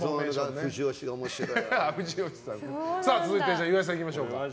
続いて岩井さんいきましょう。